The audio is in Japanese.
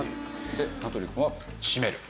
で名取くんは閉める。